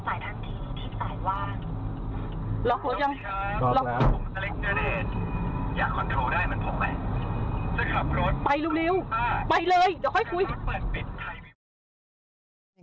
ไปเร็วไปเลยเดี๋ยวค่อยคุย